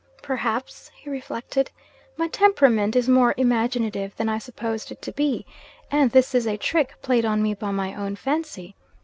'Perhaps,' he reflected, 'my temperament is more imaginative than I supposed it to be and this is a trick played on me by my own fancy?